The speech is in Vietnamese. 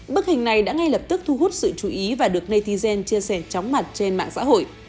bức hình này đã ngay lập tức thu hút sự chú ý và được natigen chia sẻ chóng mặt trên mạng xã hội